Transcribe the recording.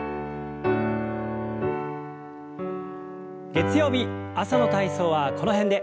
月曜日朝の体操はこの辺で。